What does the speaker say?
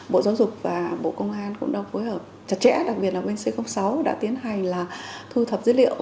bộ giáo dục và bộ công an cũng đang phối hợp chặt chẽ đặc biệt là bên c sáu đã tiến hành là thu thập dữ liệu